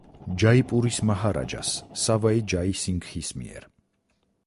ჯაიპურის მაჰარაჯას სავაი ჯაი სინგჰის მიერ.